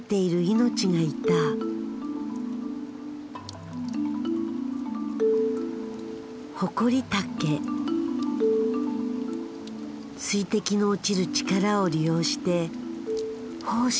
水滴の落ちる力を利用して胞子を飛ばす。